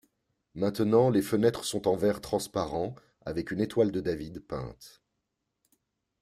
Maintenant, les fenêtres sont en verre transparent avec une Étoile de David peinte.